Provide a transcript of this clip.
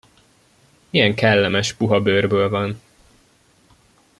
Milyen kellemes, puha bőrből van!